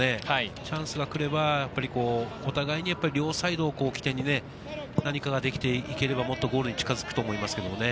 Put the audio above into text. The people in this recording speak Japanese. チャンスがくれば、お互いに両サイドを起点に何かができていければ、もっとゴールに近づくと思いますけどね。